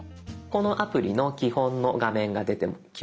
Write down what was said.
このアプリの基本の画面が出てきます。